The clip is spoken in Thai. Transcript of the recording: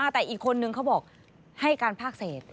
แต่อีกคนนึงเขาบอกให้การภาคเศษ